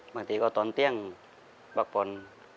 บางทีก็ตอนเตี้ยงบักบ่น